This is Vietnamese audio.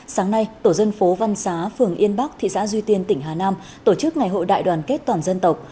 sáng nay tổ dân phố văn xá phường yên bắc thị xã duy tiên tỉnh hà nam tổ chức ngày hội đại đoàn kết toàn dân tộc